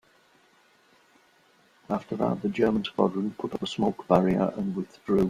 After that the German squadron put up a smoke barrier and withdrew.